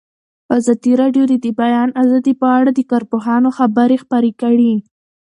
ازادي راډیو د د بیان آزادي په اړه د کارپوهانو خبرې خپرې کړي.